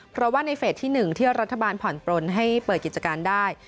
เพราะว่าในเฟสที่๑ที่รัฐบาลผ่อนปลนให้เปิดกิจการได้